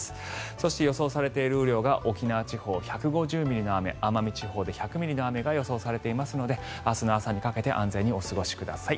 そして、予想されている雨量が沖縄地方１５０ミリの雨奄美地方、１００ミリの雨が予想されているので明日の朝にかけて安全にお過ごしください。